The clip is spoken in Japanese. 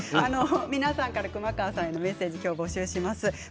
皆さんから熊川さんへのメッセージを募集します。